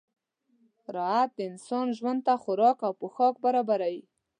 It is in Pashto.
راعت د انسان ژوند ته خوراک او پوښاک برابروي.